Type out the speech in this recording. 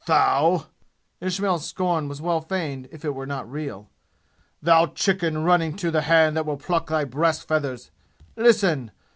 "Thou!" Ismail's scorn was well feigned if it was not real. "Thou chicken running to the hand that will pluck thy breast feathers! Listen!